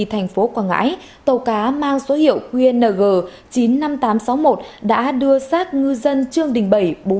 thành phố quảng ngãi tàu cá mang số hiệu qng chín mươi năm nghìn tám trăm sáu mươi một đã đưa sát ngư dân trương đình bảy trăm bốn